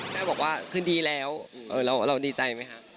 แม่บอกว่าคืนดีแล้วเราดีใจไหมครับ